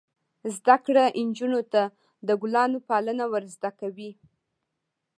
زده کړه نجونو ته د ګلانو پالنه ور زده کوي.